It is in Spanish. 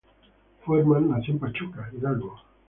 Furman nació en Pachuca, Hidalgo.